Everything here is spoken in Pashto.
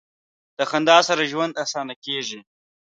د خندا سره ژوند اسانه کیږي.